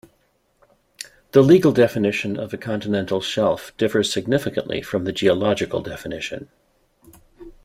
The legal definition of a continental shelf differs significantly from the geological definition.